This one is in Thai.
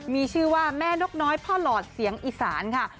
มีชื่อว่าแม่นกน้อยพ่อหลอดเสียงอีสานค่ะ